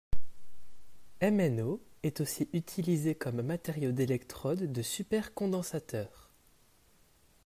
MnO est aussi utilisé comme matériau d'électrode de supercondensateur.